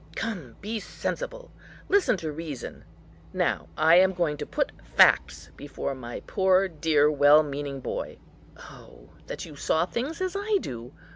Come, be sensible, listen to reason; now I am going to put facts before my poor, dear, well meaning boy. Oh that you saw things as I do!